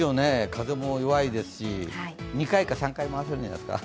風も弱いですし、２回か３回回せるんじゃないですか？